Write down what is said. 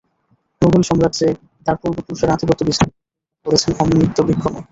মোগল সাম্রাজ্যে তাঁর পূর্ব পুরুষেরা আধিপত্য বিস্তারে শত্রু নিপাত করেছেন অমিতবিক্রমে।